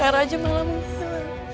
raja malam itu